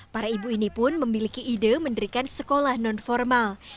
para ibu ini pun memiliki ide mendirikan sekolah nonformal